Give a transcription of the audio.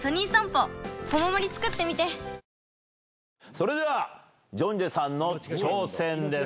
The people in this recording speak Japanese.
それではジョンジェさんの挑戦です。